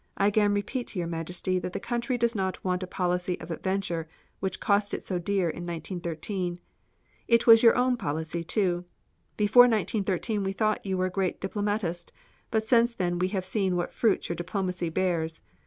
I again repeat to your Majesty that the country does not want a policy of adventure which cost it so dear in 1913. It was your own policy too. Before 1913 we thought you were a great diplomatist, but since then we have seen what fruits your diplomacy bears.